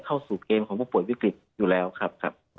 เข้าสู่เกมของผู้ป่วยวิกฤตอยู่แล้วครับ